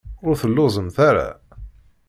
Ur telluẓemt ara?